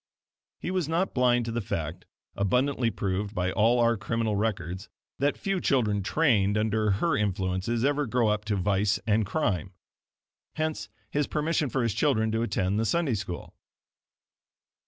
He was not blind to the fact, abundantly proved by all our criminal records, that few children trained under her influences ever grow up to vice and crime. Hence his permission for his children to attend the Sunday School.